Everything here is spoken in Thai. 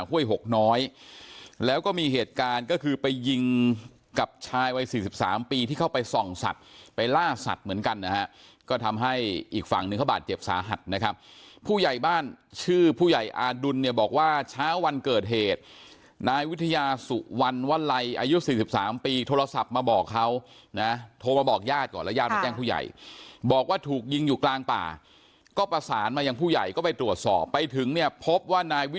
ข่วยหกน้อยแล้วก็มีเหตุการณ์ก็คือไปยิงกับชายวัย๔๓ปีที่เข้าไปส่องสัตว์ไปล่าสัตว์เหมือนกันนะฮะก็ทำให้อีกฝั่งหนึ่งเขาบาดเจ็บสาหัสนะครับผู้ใหญ่บ้านชื่อผู้ใหญ่อาดุลเนี่ยบอกว่าเช้าวันเกิดเหตุนายวิทยาศุวรรณวันไรอายุ๔๓ปีโทรศัพท์มาบอกเขานะโทรมาบอกญาติก่อนแล้วยาวแจ้งผู้